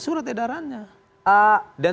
surat edarannya dan